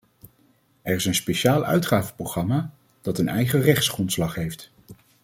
Er is een speciaal uitgavenprogramma, dat een eigen rechtsgrondslag heeft.